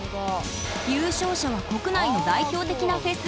優勝者は国内の代表的なフェス